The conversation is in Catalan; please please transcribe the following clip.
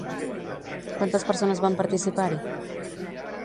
Quantes persones van participar-hi?